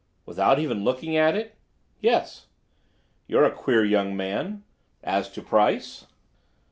"Without even looking at it?" "Yes." "You're a queer young man. As to price?"